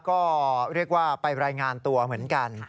ก็เรียกว่าไปรายงานตัวเหมือนกัน